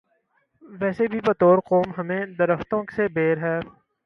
ویسے بھی بطور قوم ہمیں درختوں سے بیر ہے۔